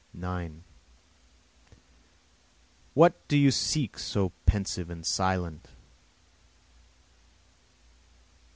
9 What do you seek so pensive and silent?